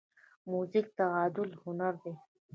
موزیک د تعادل هنر دی.